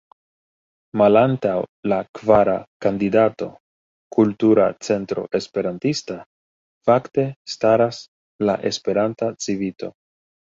Malantaŭ la kvara kandidato, Kultura Centro Esperantista, fakte staras la Esperanta Civito.